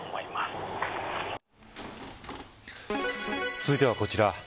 続いてはこちら。